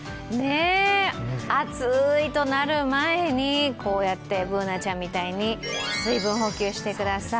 暑いとなる前にこうやってＢｏｏｎａちゃんみたいに水分補給してください。